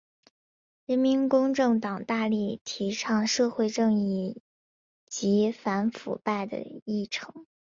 人民公正党大力提倡社会正义及反腐败的议程。